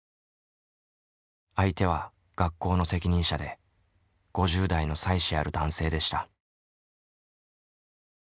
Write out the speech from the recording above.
相手は学校の責任者で５０代の妻子ある男性でした。